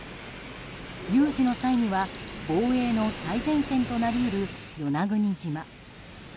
有事の際には、防衛の最前線となり得る与那国島。